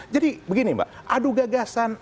jadi begini mbak adu gagasan